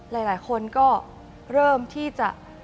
หลายคนก็เริ่มที่จะ